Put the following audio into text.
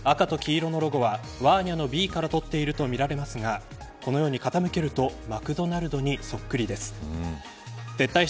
赤と黄色のロゴはワーニャのＢから取っているとみられますがこのように傾けるとマクドナルドにそっくりです。